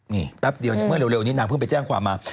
นี่แป๊บเดียวเนี่ยเมื่อเร็วนี้นางเพิ่งไปแจ้งความมา